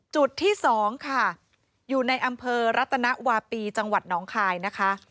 จุดที่๒ค่ะอยู่ในอำเภอรัตนวาปีจังหวัดน้องคายนะคะ